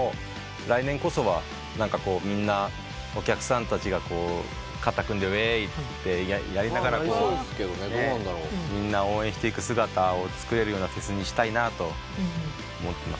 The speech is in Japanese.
来年こそはみんなお客さんたちが肩組んでうぇーいってやりながら応援していく姿をつくれるようなフェスにしたいなと思ってます。